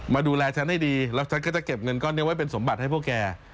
ดูแลฉันให้ดีแล้วฉันก็จะเก็บเงินก้อนนี้ไว้เป็นสมบัติให้พวกแก